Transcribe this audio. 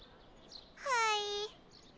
はい。